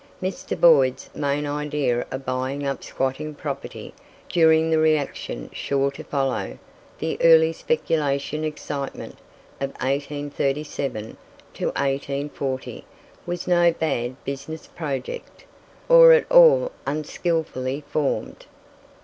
Mr. Boyd's main idea of buying up squatting property during the reaction sure to follow the early speculation excitement of 1837 to 1840 was no bad business project, or at all unskilfully formed.